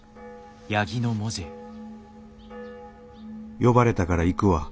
「呼ばれたから行くわ。